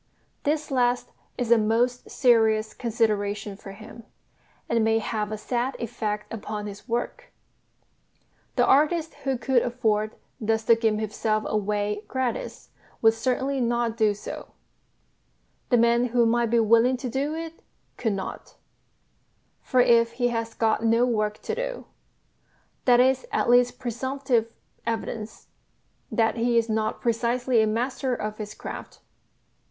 This last is a most serious consideration for him, and may have a sad effect upon his work. The artist who could afford thus to give himself away gratis would certainly not do so; the man who might be willing to do it could not; for if he has "got no work to do" that is at least presumptive evidence that he is not precisely a master of his craft.